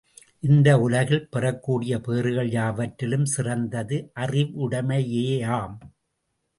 இந்த உலகில் பெறக்கூடிய பேறுகள் யாவற்றிலும் சிறந்தது அறிவுடைமையேயாம்.